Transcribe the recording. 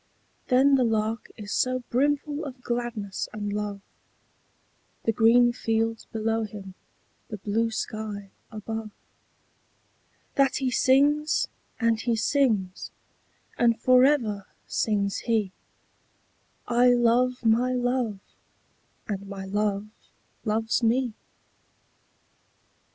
But the Lark is so brimful of gladness and love, The green fields below him, the blue sky above, That he sings, and he sings; and for ever sings he 'I love my Love, and my Love loves me!'